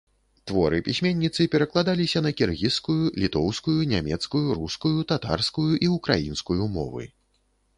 Творы пісьменніцы перакладаліся на кіргізскую, літоўскую, нямецкую, рускую, татарскую і ўкраінскую мовы.